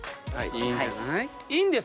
いいんじゃない。